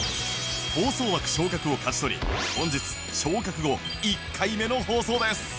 放送枠昇格を勝ち取り本日昇格後１回目の放送です